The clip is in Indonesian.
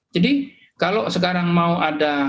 jadi kalau sekarang mau ada